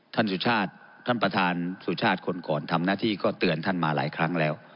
สุชาติท่านประธานสุชาติคนก่อนทำหน้าที่ก็เตือนท่านมาหลายครั้งแล้ว